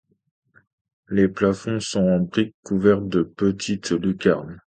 Les plafonds sont en briques couverts de petites lucarnes.